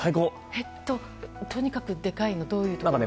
えっととにかくでかいのとどういう特徴ですか？